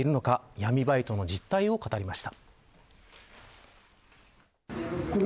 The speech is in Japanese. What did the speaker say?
闇バイトの実態を語りました。